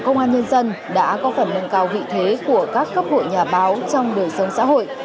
công an nhân dân đã có phần nâng cao vị thế của các cấp hội nhà báo trong đời sống xã hội